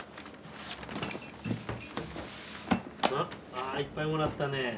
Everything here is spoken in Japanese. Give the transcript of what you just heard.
ああいっぱいもらったね。